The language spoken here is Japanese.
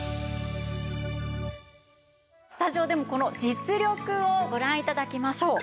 スタジオでもこの実力をご覧頂きましょう。